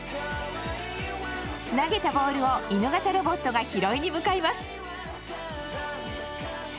投げたボールを犬型ロボットが拾いに向かいます。